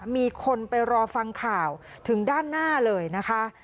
มีคนไปรอฟังข่าวถึงด้านหน้าเลยนะคะ